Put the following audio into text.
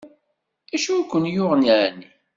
D acu ay ken-yuɣen ɛni?